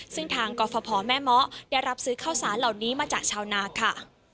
ซึ่งทางกรฟภแม่เมาะได้รับซื้อข้าวสารเหล่านี้มาจากชาวนาค่ะ